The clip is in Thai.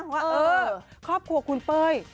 ว่าเออครอบครัวคุณเป้ย